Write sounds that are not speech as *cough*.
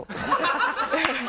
ハハハ *laughs*